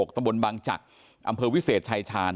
ตำบลบางจักรอำเภอวิเศษชายชาญ